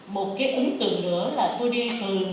một cái ứng tượng nữa là tôi đi từ ngoài cổng vào cho tới phía trong